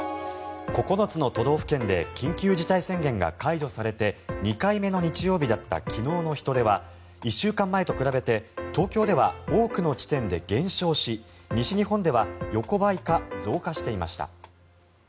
９つの都道府県で緊急事態宣言が解除されて２回目の日曜日だった昨日の人出は１週間前と比べて東京では多くの地点では減少し西日本では横ばいか増加していました。